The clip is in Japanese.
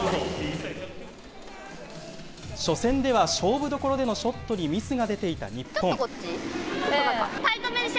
初戦では勝負どころでのショットにミスが出ていた日本。